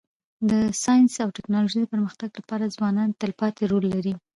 د ساینس او ټکنالوژی د پرمختګ لپاره ځوانان تلپاتي رول لري.